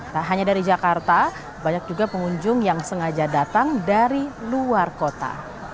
tak hanya dari jakarta banyak juga pengunjung yang sengaja datang dari luar kota